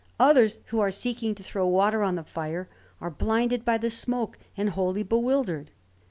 Others, who are seeking to throw water on the fire, are blinded by the smoke and wholly bewildered.